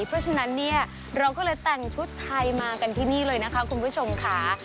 เพราะฉะนั้นเนี่ยเราก็เลยแต่งชุดไทยมากันที่นี่เลยนะคะคุณผู้ชมค่ะ